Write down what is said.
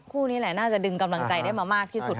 คู่นี้แหละน่าจะดึงกำลังใจได้มามากที่สุด